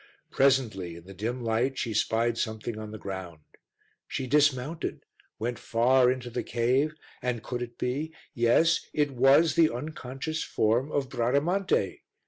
Presently, in the dim light, she spied something on the ground; she dismounted, went far into the cave, and could it be? yes, it was the unconscious form of Bradamante.